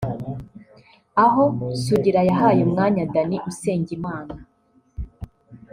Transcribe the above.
aho Sugira yahaye umwanya Danny Usengimana